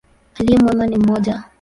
Aliye mwema ni mmoja.